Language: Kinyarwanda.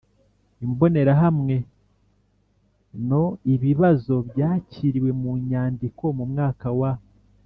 Imbonerahamwe No Ibibazo byakiriwe mu nyandiko mu mwaka wa